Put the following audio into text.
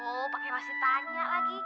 oh pakai masih tanya lagi